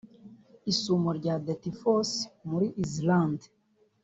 Isumo rya Dettifoss muri Islande